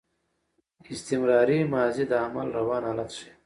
استمراري ماضي د عمل روان حالت ښيي.